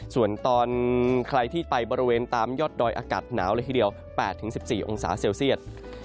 ส่วนตอนใครที่ไปบริเวณตามยอดดอยอากาศหนาวเลยทีเดียว๘๑๔องศาเซลเซียต